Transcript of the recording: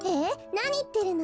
なにいってるの？